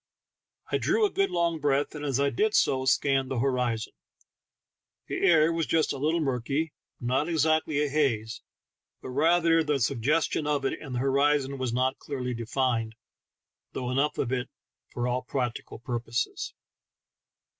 I drew a good long breath, and as I did so scanned the horizon. The air was just a little murky, not exactly a haze, but rather the suggestion of it, and the horizon was not clearly defined, though enough so for all practical purposes.